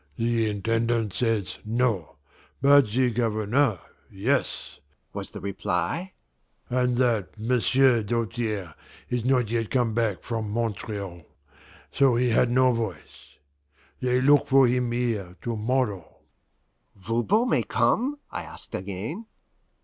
"The Intendant said no, but the Governor yes," was the reply; "and that M'sieu' Doltaire is not yet come back from Montreal, so he had no voice. They look for him here to morrow." "Voban may come?" I asked again.